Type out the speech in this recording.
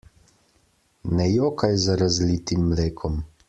Ne jokaj za razlitim mlekom.